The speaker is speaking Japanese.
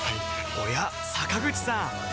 おや坂口さん